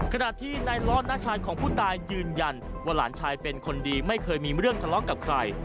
ขณะที่นายลอดน้าชายของผู้ตายยืนยันว่าหลานชายเป็นคนดีไม่เคยมีเรื่องทะเลาะกับใคร